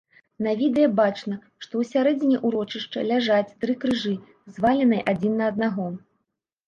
На відэа бачна, што ў сярэдзіне ўрочышча ляжаць тры крыжы, зваленыя адзін на аднаго.